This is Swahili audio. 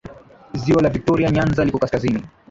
Ziwa la Viktoria Nyanza liko kaskazini